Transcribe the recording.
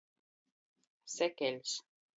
Sekeļs.